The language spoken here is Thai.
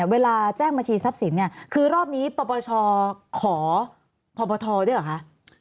เวลาแจ้งมาชี้ทรัพย์สินคือรอบนี้ประอขอผลปธรรมด์ด้วยเหรอคะ